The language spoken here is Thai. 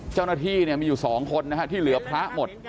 เจ้าหน้าที่มีอยู่๒คนนะฮะที่เหลือพระหมด